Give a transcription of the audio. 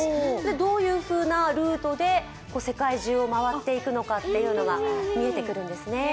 どういうふうなルートで世界中を回っていくのか見えてくるんですね。